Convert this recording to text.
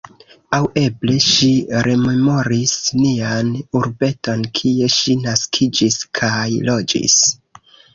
Aŭ eble ŝi rememoris nian urbeton, kie ŝi naskiĝis kaj loĝis.